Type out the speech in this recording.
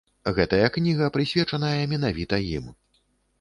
Гэтая кніга прысвечаная менавіта ім.